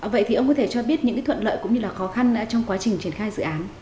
vậy thì ông có thể cho biết những cái thuận lợi cũng như là khó khăn trong quá trình triển khai dự án